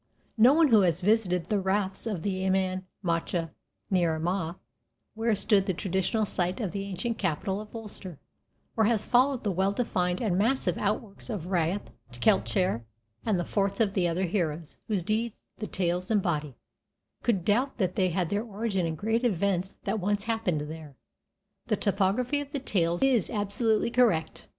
No one who has visited the raths of Emain Macha, near Armagh, where stood the traditional site of the ancient capital of Ulster, or has followed the well defined and massive outworks of Rath Celtchair and the forts of the other heroes whose deeds the tales embody, could doubt that they had their origin in great events that once happened there. The topography of the tales is absolutely correct.